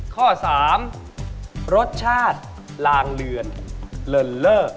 ข้อ๓รสชาติลางเลือนเลินเล่อ